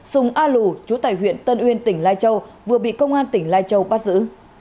súng a lũ trú tại huyện tân uyên tỉnh lai châu vừa bị công an tỉnh lai châu bắt giữ